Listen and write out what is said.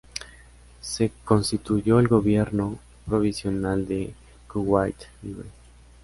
Se constituyó el "Gobierno Provisional del Kuwait Libre".